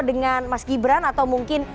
dengan mas gibran atau mungkin